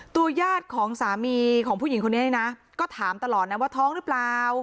ญาติของสามีของผู้หญิงคนนี้นะก็ถามตลอดนะว่าท้องหรือเปล่า